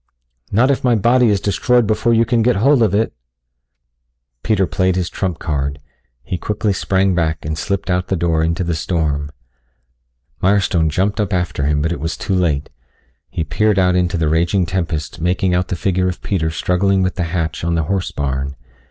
"Not if my body is destroyed before you can get hold of it." Peter played his trump card. He quickly sprang back and slipped out the door into the storm. Mirestone jumped up after him, but it was too late. He peered out into the raging tempest making out the figure of Peter struggling with the hatch on the horse barn.